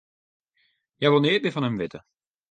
Hja wol neat mear fan him witte.